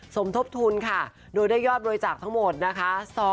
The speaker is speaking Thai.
สมทบทุนค่ะโดยได้ยอดบริจาคทั้งหมดนะคะ